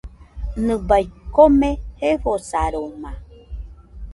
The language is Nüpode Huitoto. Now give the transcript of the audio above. Nɨbai kome jefosaroma.